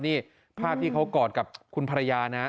นี่ภาพที่เขากอดกับคุณภรรยานะ